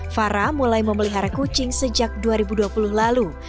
farah mulai memelihara kucing sejak dua ribu dua puluh lalu